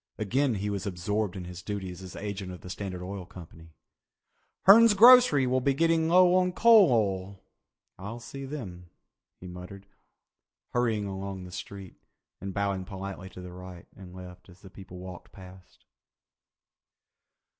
Again he was absorbed in his duties as agent of the Standard Oil Company. "Hern's Grocery will be getting low on coal oil. I'll see them," he muttered, hurrying along the street, and bowing politely to the right and left at the people walking past.